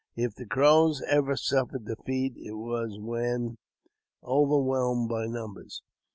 If the Crows ever suffered defeat, it was when overwhelmed by numbers.